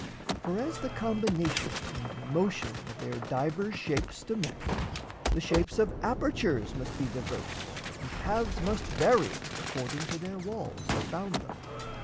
For, as the combination And motion of their divers shapes demand, The shapes of apertures must be diverse And paths must vary according to their walls That bound them.